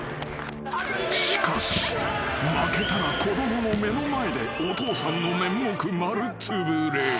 ［しかし負けたら子供の目の前でお父さんの面目丸つぶれ］